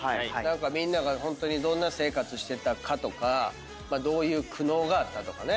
みんながホントにどんな生活してたかとかどういう苦悩があったとかね。